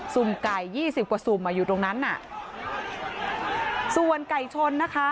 ุ่มไก่ยี่สิบกว่าสุ่มอ่ะอยู่ตรงนั้นน่ะส่วนไก่ชนนะคะ